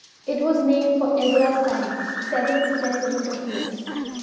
It was named for Ezra Stiles, seventh president of Yale.